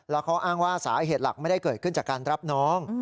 แล้วเขาอ้างว่าสาเหตุหลักไม่ได้เกิดขึ้นจากการรับน้อง